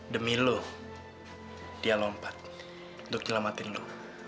demi lo dia lompat untuk nyelamatin lu